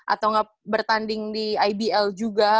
atau bertanding di ibl juga